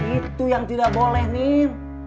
itu yang tidak boleh nih